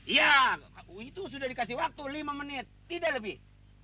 iya itu sudah dikasih waktu lima menit tidak lebih